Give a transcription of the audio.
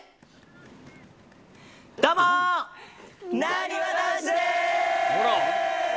どうも、なにわ男子でーす。